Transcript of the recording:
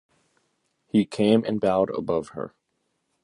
He came and bowed above her.